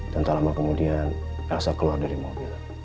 dan tak lama kemudian rasa keluar dari mobil